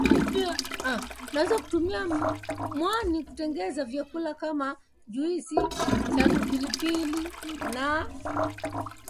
Naweza kutumia mwani kutengeneza vyakula kama juisi chachandu pilipili na kachumbali